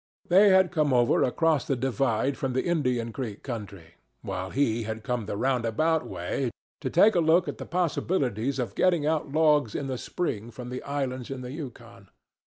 They had come over across the divide from the Indian Creek country, while he had come the roundabout way to take a look at the possibilities of getting out logs in the spring from the islands in the Yukon.